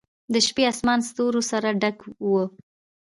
د شپې آسمان ستورو سره ډک و.